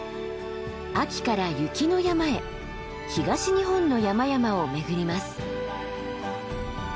秋から雪の山へ東日本の山々を巡ります。